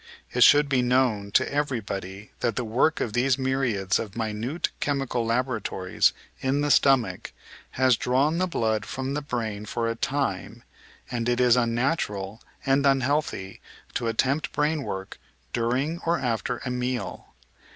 It should be known to everybody that the work of these myriads of minute chemical laboratories in the stomach has drawn the blood from the brain for a time, and it is unnatural and unhealthy to attempt brainwork during or after a meal.